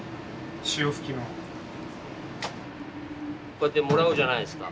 こうやってもらうじゃないですか。